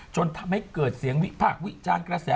จนทำให้เกิดเสียงวิพากษ์วิจารณ์กระแส